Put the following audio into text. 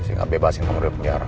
sehingga bebasin pengadil penyiaran